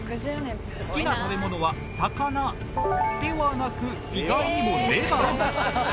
好きな食べ物は魚ではなく意外にもレバー。